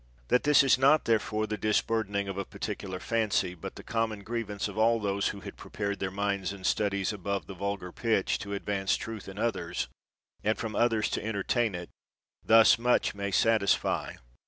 That this is not therefore the disburden ing of a particular fancy, but the common grievance of all those who had prepared their minds and studies above the vulgar pitch to ad vance truth in others, and from others to en tertain it, thus much may satisfy.